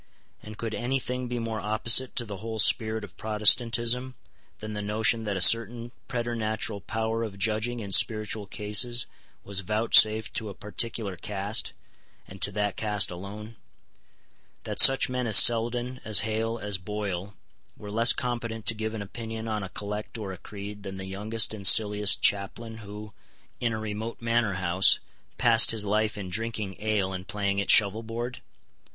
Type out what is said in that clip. And could any thing be more opposite to the whole spirit of Protestantism than the notion that a certain preternatural power of judging in spiritual cases was vouchsafed to a particular caste, and to that caste alone; that such men as Selden, as Hale, as Boyle, were less competent to give an opinion on a collect or a creed than the youngest and silliest chaplain who, in a remote manor house, passed his life in drinking ale and playing at shovelboard?